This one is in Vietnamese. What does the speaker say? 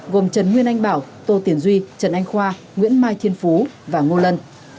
gồm trần nguyên anh bảo tô tiền duy trần anh khoa nguyễn mai thiên phú và ngô lân